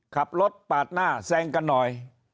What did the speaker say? ขับรถปาดหน้าแซงกันหน่อย